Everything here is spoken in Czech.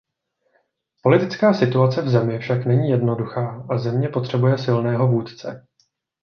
Politická situace v zemi však není jednoduchá a země potřebuje silného vůdce.